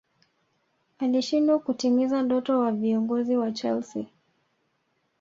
alishindwa kutimiza ndoto wa viongozi wa chelsea